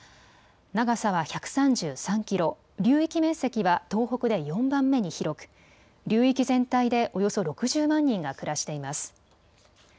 長さは１３３キロ、流域面積は東北で４番目に広く流域全体でおよそ６０万人が暮らしています。